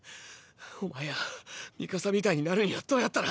お前やミカサみたいになるにはどうやったら。